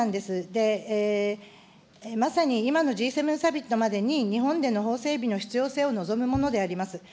で、まさに今のＧ７サミットまでに、日本での法整備の必要性を望むものであります。